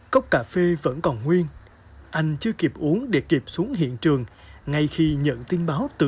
cốc cà phê vẫn còn nguyên anh chưa kịp uống để kịp xuống hiện trường ngay khi nhận tin báo từ